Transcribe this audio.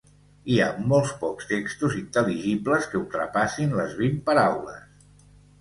Hi ha molt pocs textos intel·ligibles que ultrapassin les vint paraules.